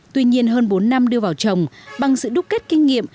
tuy nhiên hơn bốn năm đưa vào trồng bằng sự đúc kết kinh nghiệm